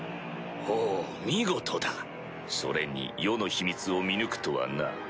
ほう見事だそれに余の秘密を見抜くとはな。